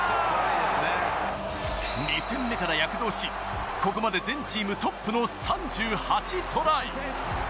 ２戦目から躍動し、ここまで全チームトップの３８トライ。